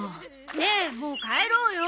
ねえもう帰ろうよ。